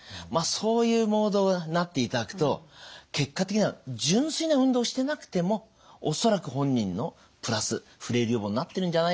そういうモードになっていただくと結果的には純粋な運動してなくても恐らく本人のプラスフレイル予防になってるんじゃないかなと思います。